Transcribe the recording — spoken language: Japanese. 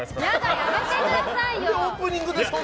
やめてくださいよ！